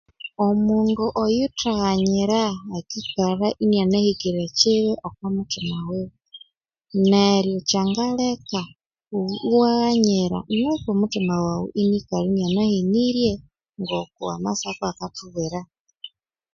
Omundu oyuthighanyira akikalha inyanakekire ekyibi omwa muthima wiwe neryu kyangaleka oghu iwaghanyira nuku omuthima waghu inyabya inanehenirye ngoko masaku akathubwira